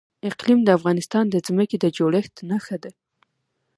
اقلیم د افغانستان د ځمکې د جوړښت نښه ده.